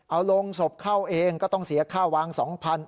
เอาโรงศพเข้าเองก็ต้องเสียค่าวาง๒๐๐บาท